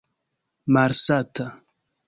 malsata